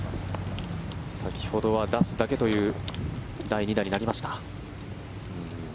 先ほどは出すだけという第２打になりました。